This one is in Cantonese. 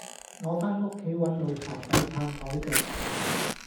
我返屋企搵老婆仔撐枱腳